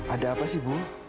ada apa sih bu